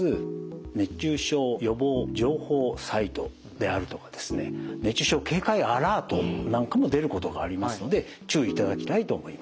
熱中症予防情報サイトであるとか熱中症警戒アラートなんかも出ることがありますので注意いただきたいと思います。